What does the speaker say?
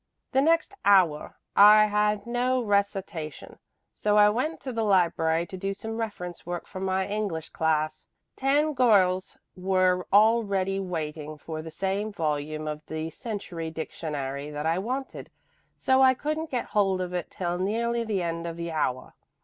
The next hour I had no recitation, so I went to the library to do some reference work for my English class. Ten girls were already waiting for the same volume of the Century Dictionary that I wanted, so I couldn't get hold of it till nearly the end of the hour.